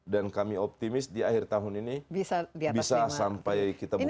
dan kami optimis di akhir tahun ini bisa sampai kita memungkinkan lima triliun